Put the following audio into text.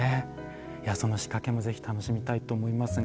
その仕掛けもぜひ、楽しみたいと思いますが。